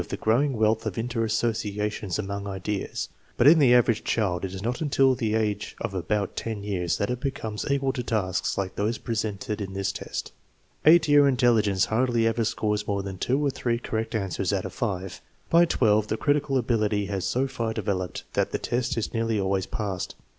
the growing wealth of inter associations among ideas; but in the average child it is not until the age of about 10 years that it becomes equal to tasks like those presented in this test. Eight year intelligence hardly ever scores more than two or three cor rect answers out of five. By 1, the critical ability has so far developed that the test is nearly always passed.